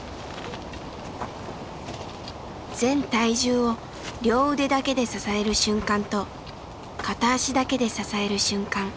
全体重を両腕だけで支える瞬間と片足だけで支える瞬間。